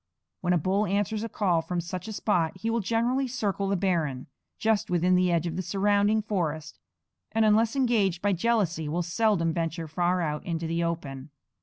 When a bull answers a call from such a spot he will generally circle the barren, just within the edge of the surrounding forest, and unless enraged by jealousy will seldom venture far out into the open.